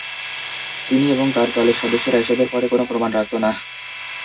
তিনি এবং তার দলের সদস্যরা এসবের পরে কোন প্রমাণ রাখতো নাহ।